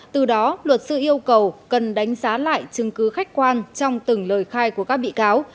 từ đó luật sư yêu cầu cần đánh giá lại chứng cứ khách quan trong từng lời khai của các bị cáo